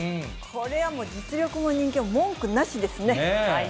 これはもう、実力も人気も文句なしですね。